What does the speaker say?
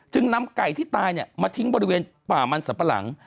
จึงนำไก่ที่ตายเนี่ยมาทิ้งบริเวณป่ามันสะปะหลัง